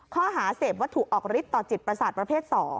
ข้อหาเสพวัตถุออกฤทธิต่อจิตประสาทประเภท๒